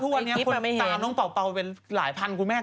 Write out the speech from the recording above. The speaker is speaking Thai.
ภูมงี้คนตามน้องเป่าเป่าเป็นหลายพันคุณแม่